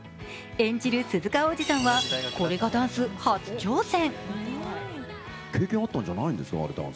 演じる鈴鹿央士さんはこれがダンス初挑戦。